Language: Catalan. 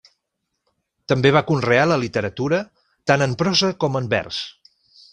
També va conrear la literatura, tant en prosa com en vers.